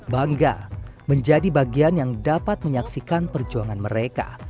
bangga menjadi bagian yang dapat menyaksikan perjuangan mereka